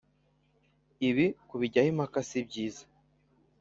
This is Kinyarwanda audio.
Ibi kubijyaho impaka sibyiza